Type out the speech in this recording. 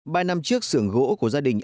ba năm trước sưởng gỗ của gia đình